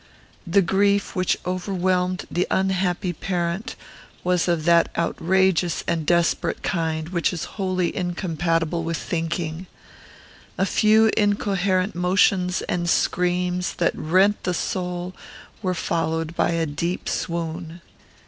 The grief which overwhelmed the unhappy parent was of that outrageous and desperate kind which is wholly incompatible with thinking. A few incoherent motions and screams, that rent the soul, were followed by a deep swoon.